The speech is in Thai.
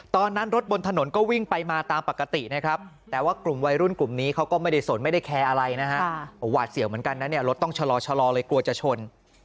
ตอนนั้นรถบนถนนก็วิ่งไปมาตามปกตินะครับแต่ว่ากลุ่มวัยรุ่นกลุ่มนี้เขาก็ไม่ได้สนไม่ได้แคร์อะไรนะฮะหวาดเสียวเหมือนกันนะเนี่ยรถต้องชะลอเลยกลัวจะชน